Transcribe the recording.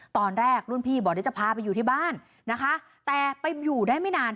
ตอนแรกรุ่นพี่บอกเดี๋ยวจะพาไปอยู่ที่บ้านนะคะแต่ไปอยู่ได้ไม่นาน